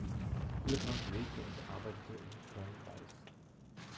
Hillebrand lebte und arbeitete in Köln-Weiß.